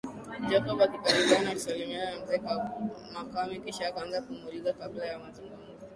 Jacob alikaribia na kusalimiana na mzee Makame kisha akaanza kumuuliza kabla ya mazungumzo